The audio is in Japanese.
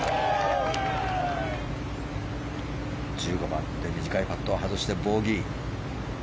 １５番で短いパットを外してボギー。